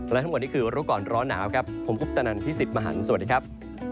และทั้งหมดนี่คือวันละก่อนร้อนหนาวครับผมพุทธนันที่๑๐มหันฯสวัสดีครับ